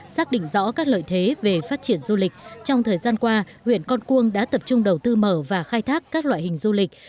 xác định rõ các lợi thế về phát triển du lịch trong thời gian qua huyện con cuông đã tập trung đầu tư mở và khai thác các loại hình du lịch